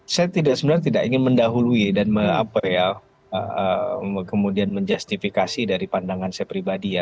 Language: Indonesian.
saya sebenarnya tidak ingin mendahului dan kemudian menjustifikasi dari pandangan saya pribadi ya